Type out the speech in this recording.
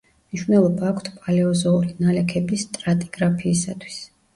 მნიშვნელობა აქვთ პალეოზოური ნალექების სტრატიგრაფიისათვის.